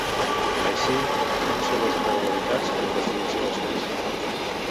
Així, denúncia les irregularitats en la investigació dels fets.